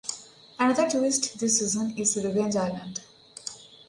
Another twist this season is Revenge Island.